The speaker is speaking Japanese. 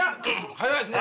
早いっすね。